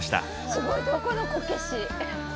すごいどこのこけし？